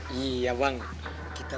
biar aku ngeliah